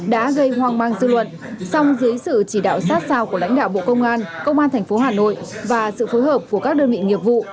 đã gây hoang mang dư luận song dưới sự chỉ đạo sát sao của lãnh đạo bộ công an công an tp hà nội và sự phối hợp của các đơn vị nghiệp vụ